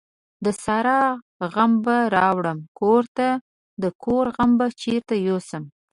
د سارا غم به راوړم کورته ، دکور غم به چيري يو سم ؟.